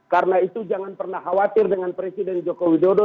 karena itu jangan pernah khawatir dengan presiden joko widodo